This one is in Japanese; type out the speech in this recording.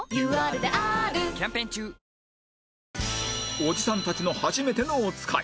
おじさんたちのはじめてのおつかい